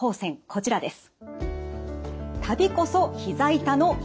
こちらです。